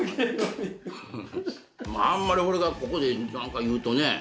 あんまり俺がここで何か言うとね